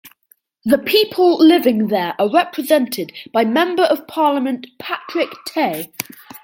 The people living there are represented by member of parliament, Patrick Tay.